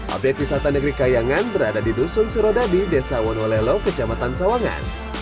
objek wisata negeri kayangan berada di dusun surodabi desa wonolelo kejamatan sawangan